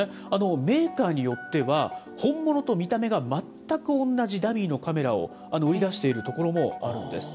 メーカーによっては、本物と見た目が全く同じダミーのカメラを売り出しているところもあるんです。